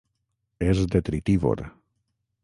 És detritívor.